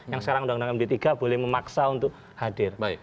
yang sekarang undang undang md tiga boleh memaksa untuk hadir